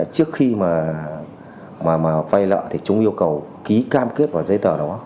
trước khi mà vay nợ thì chúng yêu cầu ký cam kết vào giấy tờ đó